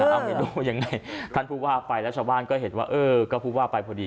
เออท่านผู้ว่าไปแล้วชาวบ้านก็เห็นว่าเออก็ผู้ว่าไปพอดี